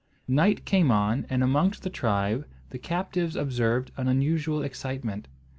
Night came on, and amongst the tribe the captives observed an unusual excitement.